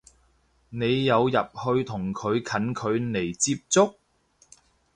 你有入去同佢近距離接觸？